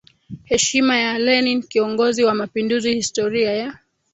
heshima ya Lenin kiongozi wa mapinduzi Historia ya